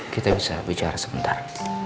kita bisa bicara sebentar